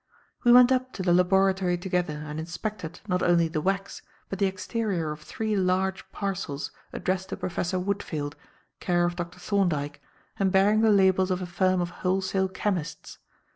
We went up to the laboratory together and inspected, not only the wax, but the exterior of three large parcels addressed to Professor Woodfield, care of Dr. Thorndyke, and bearing the labels of a firm of wholesale chemists.